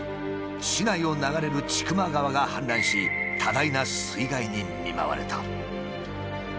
市内を流れる千曲川が氾濫し多大な水害に見舞われた。